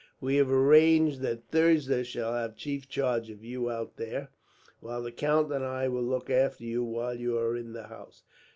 We have arranged that Thirza shall have chief charge of you, out there; while the count and I will look after you while you are in the house."